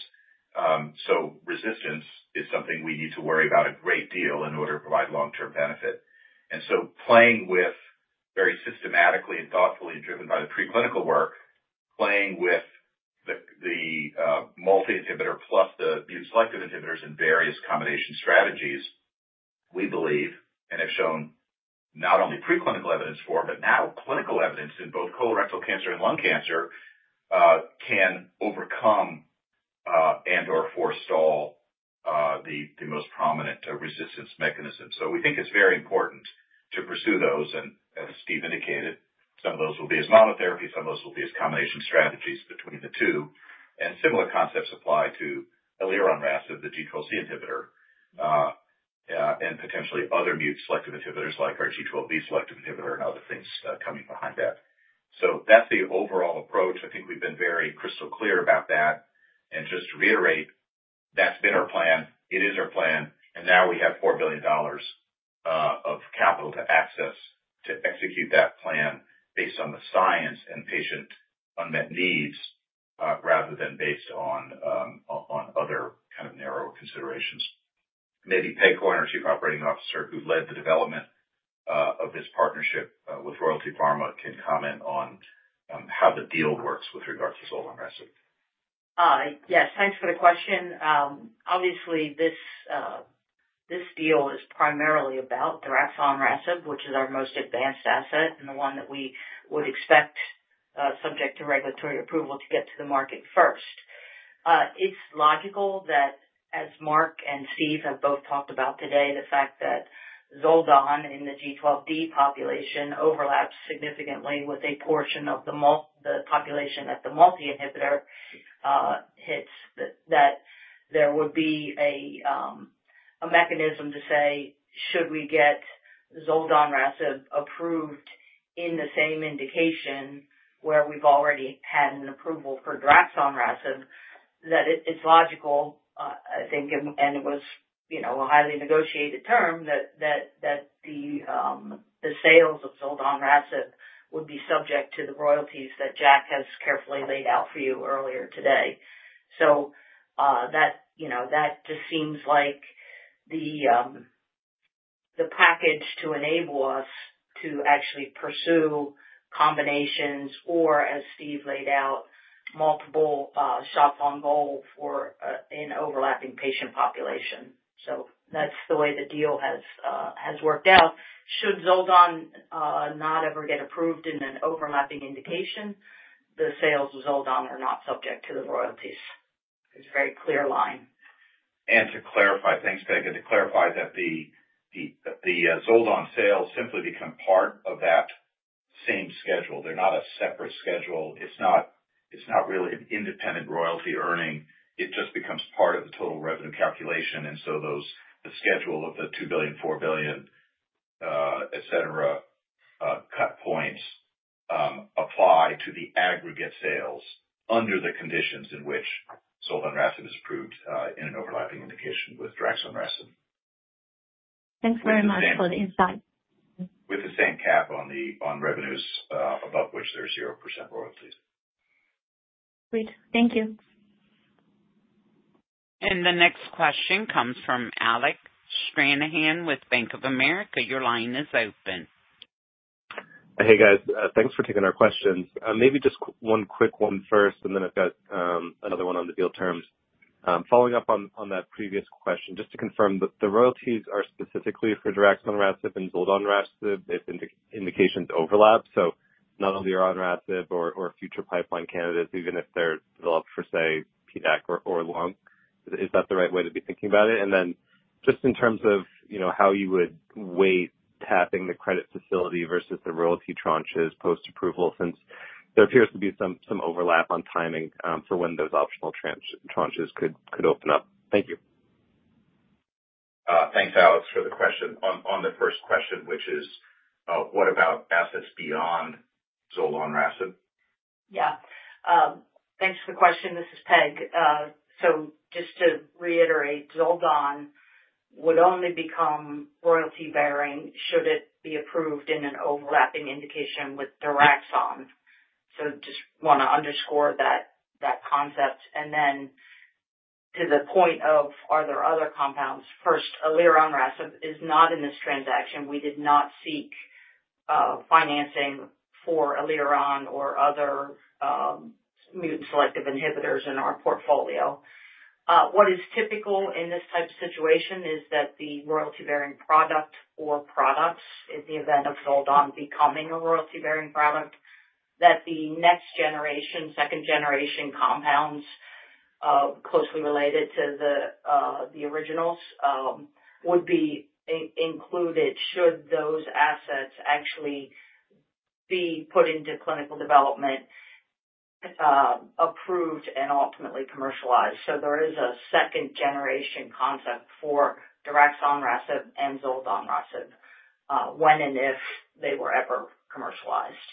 Resistance is something we need to worry about a great deal in order to provide long-term benefit. Playing very systematically and thoughtfully and driven by the preclinical work, playing with the multi-inhibitor plus the mutant-selective inhibitors in various combination strategies, we believe, and have shown not only preclinical evidence for, but now clinical evidence in both colorectal cancer and lung cancer can overcome and/or forestall the most prominent resistance mechanism. We think it is very important to pursue those. As Steve indicated, some of those will be as monotherapy. Some of those will be as combination strategies between the two. Similar concepts apply to Elironrasib, the G12C inhibitor, and potentially other mutant-selective inhibitors like our G12D selective inhibitor and other things coming behind that. That is the overall approach. I think we have been very crystal clear about that. Just to reiterate, that has been our plan. It is our plan. We have $4 billion of capital to access to execute that plan based on the science and patient unmet needs rather than based on other kind of narrow considerations. Maybe Peg Horn, our Chief Operating Officer, who led the development of this partnership with Royalty Pharma, can comment on how the deal works with regards to Zoldonrasib. Yes. Thanks for the question. Obviously, this deal is primarily about Diraxonrasib, which is our most advanced asset and the one that we would expect, subject to regulatory approval, to get to the market first. It's logical that, as Mark and Steve have both talked about today, the fact Zoldonrasib in the G12D population overlaps significantly with a portion of the population that the multi-inhibitor hits, that there would be a mechanism to say, "Should we get Zoldonrasib approved in the same indication where we've already had an approval for Diraxonrasib?" That it's logical, I think, and it was a highly negotiated term that the sales of Zoldonrasib would be subject to the royalties that Jack has carefully laid out for you earlier today. That just seems like the package to enable us to actually pursue combinations or, as Steve laid out, multiple shots on goal for an overlapping patient population. That is the way the deal has worked out. Should Zoldon not ever get approved in an overlapping indication, the sales of Zoldon are not subject to the royalties. It is a very clear line. To clarify, thanks, Peg, and to clarify that the Zoldon sales simply become part of that same schedule. They're not a separate schedule. It's not really an independent royalty earning. It just becomes part of the total revenue calculation. The schedule of the $2 billion, $4 billion, etc., cut points apply to the aggregate sales under the conditions in which Zoldonrasib is approved in an overlapping indication with Diraxonrasib. Thanks very much for the insight. With the same cap on revenues above which there are 0% royalties. Great. Thank you. The next question comes from Alec Stranahan with Bank of America. Your line is open. Hey, guys. Thanks for taking our questions. Maybe just one quick one first, and then I've got another one on the deal terms. Following up on that previous question, just to confirm, the royalties are specifically for Diraxonrasib and Zoldonrasib if indications overlap. So not only [RAS(ON)] or future pipeline candidates, even if they're developed for, say, PDAC or lung, is that the right way to be thinking about it? In terms of how you would weigh tapping the credit facility versus the royalty tranches post-approval, since there appears to be some overlap on timing for when those optional tranches could open up. Thank you. Thanks, Alec, for the question. On the first question, which is, what about assets beyond Zoldonrasib? Yeah. Thanks for the question. This is Peg. Just to reiterate, Zoldon would only become royalty-bearing should it be approved in an overlapping indication with Diraxon. I just want to underscore that concept. To the point of, are there other compounds? First, Elironrasib is not in this transaction. We did not seek financing for Eliron or other mutant-selective inhibitors in our portfolio. What is typical in this type of situation is that the royalty-bearing product or products, in the event of Zoldon becoming a royalty-bearing product, that the next generation, second generation compounds closely related to the originals would be included should those assets actually be put into clinical development, approved, and ultimately commercialized. There is a second generation concept for Diraxonrasib and Zoldonrasib when and if they were ever commercialized.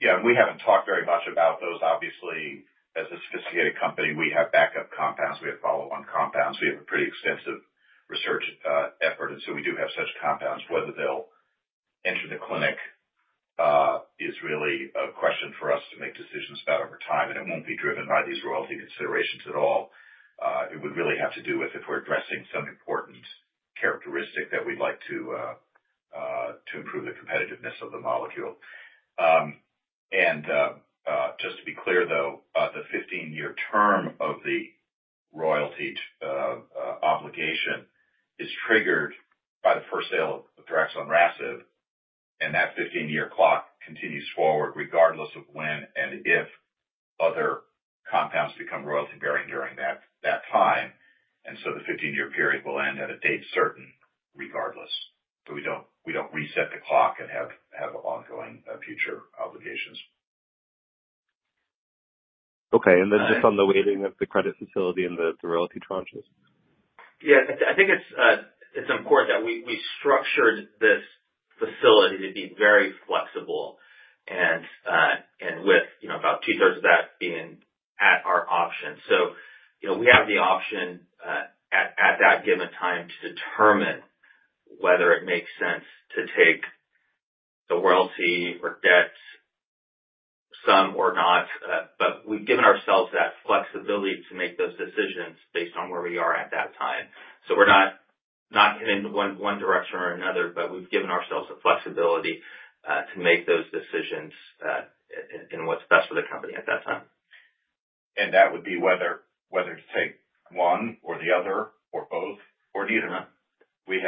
Yeah. We haven't talked very much about those. Obviously, as a sophisticated company, we have backup compounds. We have follow-on compounds. We have a pretty extensive research effort. We do have such compounds. Whether they'll enter the clinic is really a question for us to make decisions about over time. It won't be driven by these royalty considerations at all. It would really have to do with if we're addressing some important characteristic that we'd like to improve the competitiveness of the molecule. Just to be clear, though, the 15-year term of the royalty obligation is triggered by the first sale of Diraxonrasib. That 15-year clock continues forward regardless of when and if other compounds become royalty-bearing during that time. The 15-year period will end at a date certain regardless. We don't reset the clock and have ongoing future obligations. Okay. And then just on the weighting of the credit facility and the royalty tranches? Yeah. I think it's important that we structured this facility to be very flexible and with about 2/3 of that being at our option. We have the option at that given time to determine whether it makes sense to take the royalty or debt sum or not. We've given ourselves that flexibility to make those decisions based on where we are at that time. We're not heading in one direction or another, but we've given ourselves the flexibility to make those decisions in what's best for the company at that time. That would be whether to take one or the other or both or neither. We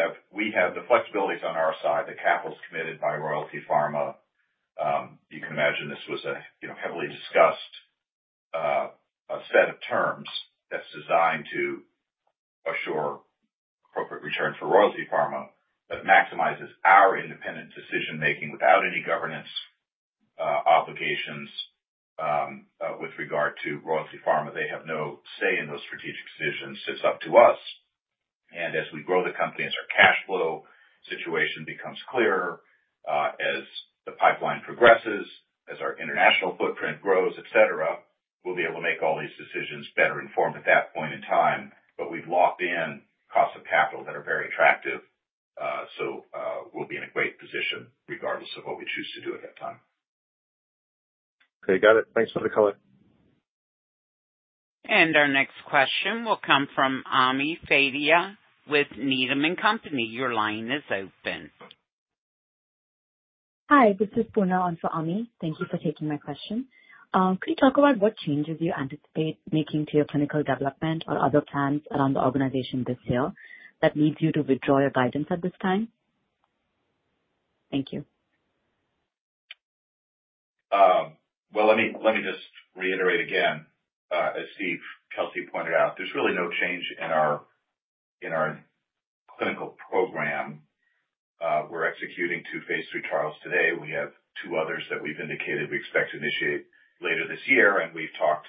have the flexibilities on our side. The capital's committed by Royalty Pharma. You can imagine this was a heavily discussed set of terms that's designed to assure appropriate return for Royalty Pharma that maximizes our independent decision-making without any governance obligations with regard to Royalty Pharma. They have no say in those strategic decisions. It's up to us. As we grow the company, as our cash flow situation becomes clearer, as the pipeline progresses, as our international footprint grows, etc., we'll be able to make all these decisions better informed at that point in time. We have locked in costs of capital that are very attractive. We will be in a great position regardless of what we choose to do at that time. Okay. Got it. Thanks for the color. Our next question will come from Ami Fadia with Needham & Company. Your line is open. Hi. This is Purna on for Ami. Thank you for taking my question. Could you talk about what changes you anticipate making to your clinical development or other plans around the organization this year that needs you to withdraw your guidance at this time? Thank you. Let me just reiterate again, as Steve Kelsey pointed out, there's really no change in our clinical program. We're executing two phase III trials today. We have two others that we've indicated we expect to initiate later this year. We've talked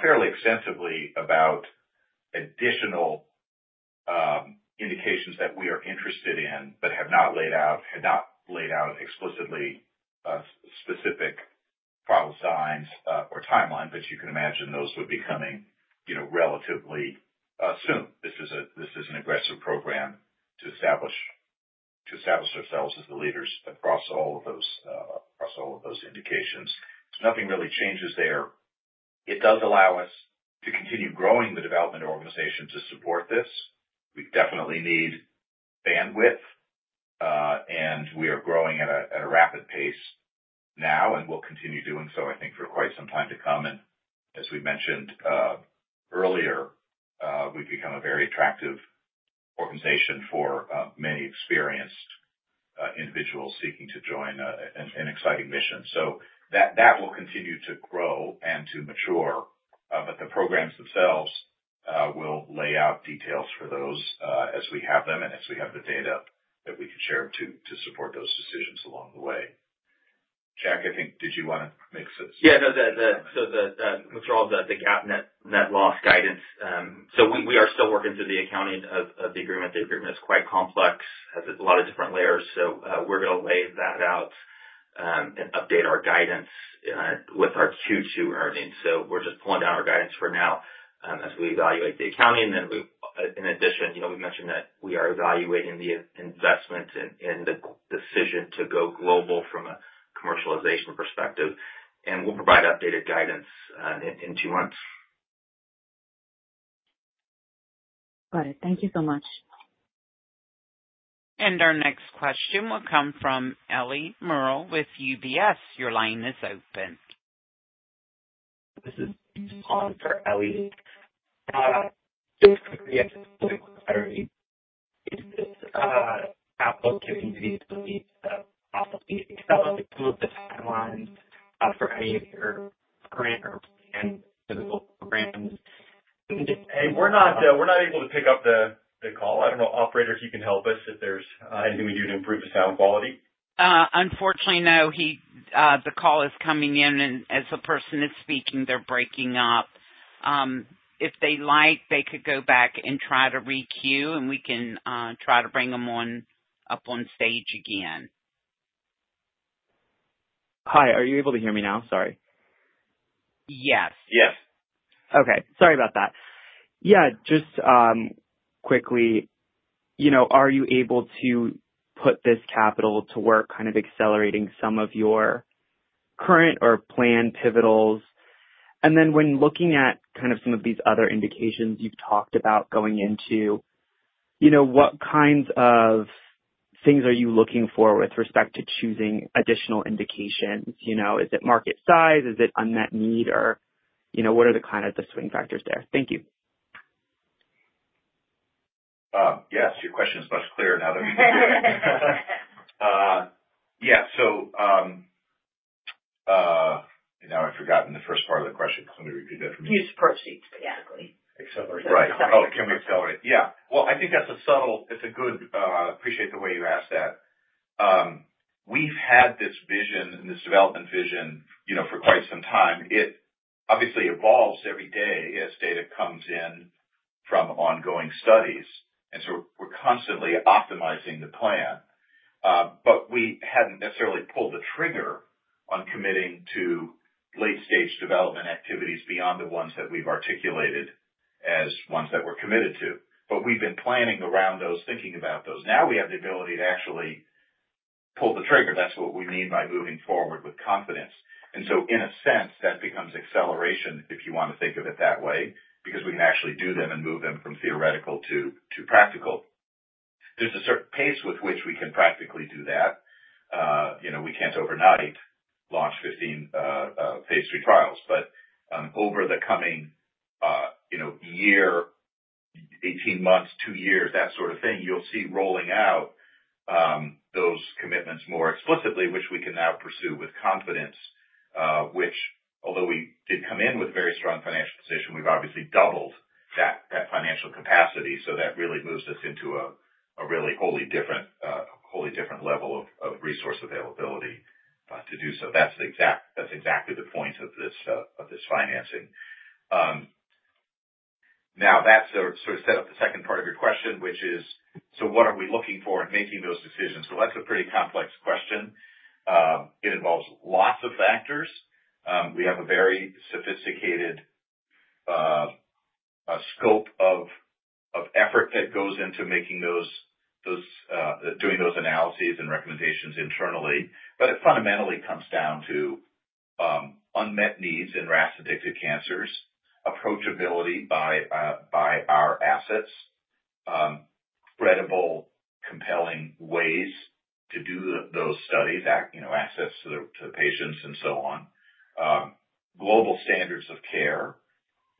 fairly extensively about additional indications that we are interested in but have not laid out explicitly specific trial signs or timelines. You can imagine those would be coming relatively soon. This is an aggressive program to establish ourselves as the leaders across all of those indications. Nothing really changes there. It does allow us to continue growing the development organization to support this. We definitely need bandwidth. We are growing at a rapid pace now and will continue doing so, I think, for quite some time to come. As we mentioned earlier, we've become a very attractive organization for many experienced individuals seeking to join an exciting mission. That will continue to grow and to mature. The programs themselves will lay out details for those as we have them and as we have the data that we can share to support those decisions along the way. Jack, I think, did you want to make a sense? Yeah. Withdraw the gap net loss guidance. We are still working through the accounting of the agreement. The agreement is quite complex. It has a lot of different layers. We are going to lay that out and update our guidance with our Q2 earnings. We are just pulling down our guidance for now as we evaluate the accounting. In addition, we've mentioned that we are evaluating the investment and the decision to go global from a commercialization perspective. We'll provide updated guidance in two months. Got it. Thank you so much. Our next question will come from Ellie Murrell with UBS. Your line is open. This is [inaudible] for Ellie. Just quickly asking a quick question. Is this applicable to these properties? Can someone approve the timelines for any of your current or planned physical programs? We're not able to pick up the call. I don't know, Operator, if you can help us if there's anything we can do to improve the sound quality? Unfortunately, no. The call is coming in. As the person is speaking, they're breaking up. If they like, they could go back and try to re-queue, and we can try to bring them up on stage again. Hi. Are you able to hear me now? Sorry. Yes. Yes. Okay. Sorry about that. Yeah. Just quickly, are you able to put this capital to work kind of accelerating some of your current or planned pivotals? When looking at kind of some of these other indications you've talked about going into, what kinds of things are you looking for with respect to choosing additional indications? Is it market size? Is it unmet need? What are the kind of the swing factors there? Thank you. Yes. Your question is much clearer now that we've heard it. Yeah. Now I've forgotten the first part of the question. Let me repeat that for me. Use proceeds, basically. Accelerate. Right. Oh, can we accelerate? Yeah. I think that's a subtle—it's a good—I appreciate the way you asked that. We've had this vision and this development vision for quite some time. It obviously evolves every day as data comes in from ongoing studies. And so we're constantly optimizing the plan. We hadn't necessarily pulled the trigger on committing to late-stage development activities beyond the ones that we've articulated as ones that we're committed to. We've been planning around those, thinking about those. Now we have the ability to actually pull the trigger. That's what we mean by moving forward with confidence. In a sense, that becomes acceleration if you want to think of it that way because we can actually do them and move them from theoretical to practical. There's a certain pace with which we can practically do that. We can't overnight launch 15 phase III trials. Over the coming year, 18 months, two years, that sort of thing, you'll see rolling out those commitments more explicitly, which we can now pursue with confidence, which, although we did come in with a very strong financial position, we've obviously doubled that financial capacity. That really moves us into a really wholly different level of resource availability to do so. That's exactly the point of this financing. That sort of set up the second part of your question, which is, what are we looking for in making those decisions? That is a pretty complex question. It involves lots of factors. We have a very sophisticated scope of effort that goes into making those—doing those analyses and recommendations internally. It fundamentally comes down to unmet needs in RAS-addicted cancers, approachability by our assets, credible, compelling ways to do those studies, access to the patients, and so on. Global standards of care.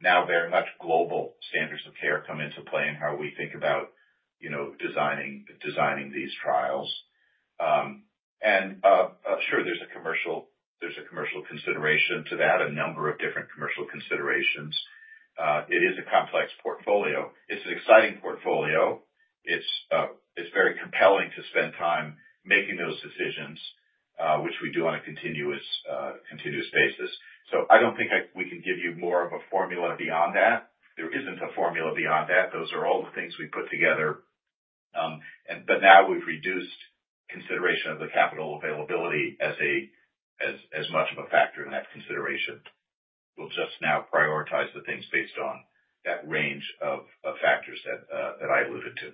Now, very much global standards of care come into play in how we think about designing these trials. Sure, there is a commercial consideration to that, a number of different commercial considerations. It is a complex portfolio. It is an exciting portfolio. It is very compelling to spend time making those decisions, which we do on a continuous basis. I do not think we can give you more of a formula beyond that. There is not a formula beyond that. Those are all the things we put together. Now we have reduced consideration of the capital availability as much of a factor in that consideration. We'll just now prioritize the things based on that range of factors that I alluded to.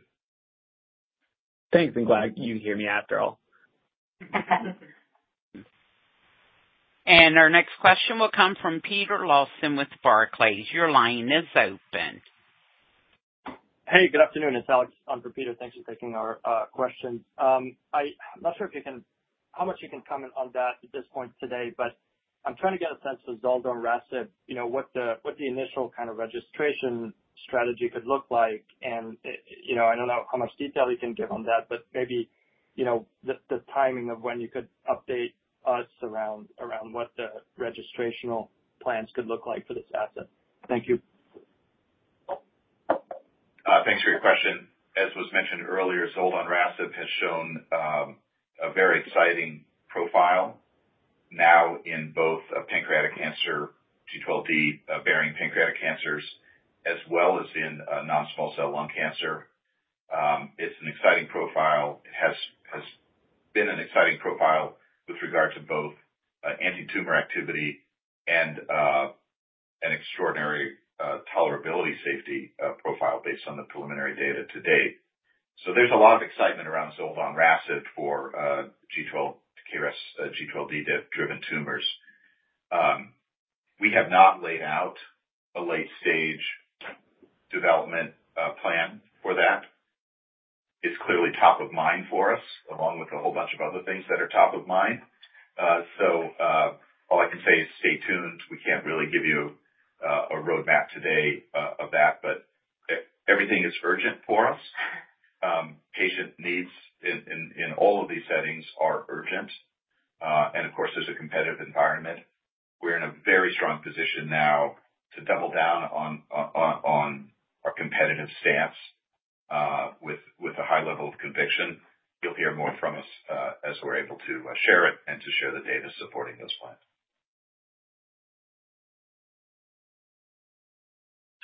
Thanks. I'm glad you can hear me after all. Our next question will come from Peter Lawson with Barclays. Your line is open. Hey, good afternoon. It's Alex on for Peter. Thanks for taking our questions. I'm not sure how much you can comment on that at this point today. But I'm trying to get a sense of Zoldonrasib, what the initial kind of registration strategy could look like. I don't know how much detail you can give on that, but maybe the timing of when you could update us around what the registrational plans could look like for this asset. Thank you. Thanks for your question. As was mentioned earlier, Zoldonrasib has shown a very exciting profile now in both pancreatic cancer, G12D-bearing pancreatic cancers, as well as in non-small cell lung cancer. It's an exciting profile. It has been an exciting profile with regard to both anti-tumor activity and an extraordinary tolerability safety profile based on the preliminary data to date. There is a lot of excitement around Zoldonrasib for G12D-driven tumors. We have not laid out a late-stage development plan for that. It's clearly top of mind for us, along with a whole bunch of other things that are top of mind. All I can say is stay tuned. We can't really give you a roadmap today of that. Everything is urgent for us. Patient needs in all of these settings are urgent. Of course, there is a competitive environment. We're in a very strong position now to double down on our competitive stance with a high level of conviction. You'll hear more from us as we're able to share it and to share the data supporting those plans.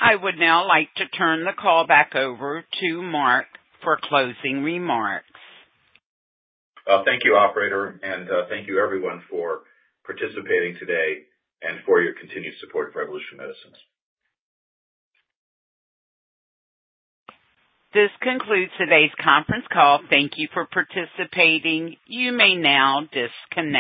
I would now like to turn the call back over to Mark for closing remarks. Thank you, Operator. Thank you, everyone, for participating today and for your continued support of Revolution Medicines. This concludes today's conference call. Thank you for participating. You may now disconnect.